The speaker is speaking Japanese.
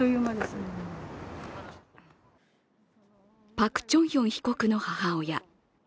パク・チョンヒョン被告の母親。